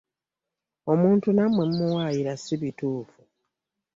Omuntu nammwe mumuwaayira si bituufu.